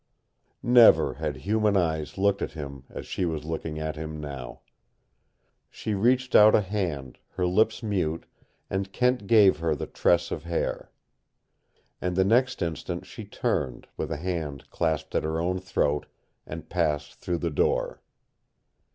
Never had human eyes looked at him as she was looking at him now. She reached out a hand, her lips mute, and Kent gave her the tress of hair. And the next instant she turned, with a hand clasped at her own throat, and passed through the door.